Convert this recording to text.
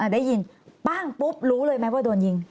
ได้ยินปั้งปุ๊บรู้เลยไหมว่าโดนยิง